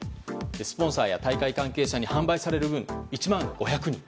スポンサーや大会関係者に販売される分１万５００人。